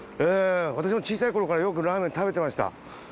私も小さい頃からよくラーメン食べてました。